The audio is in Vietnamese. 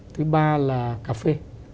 thứ ba là cà phê